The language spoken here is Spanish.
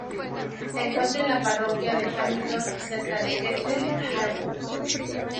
Se encuentra en la parroquia de Hamilton, cerca de Castle Harbour.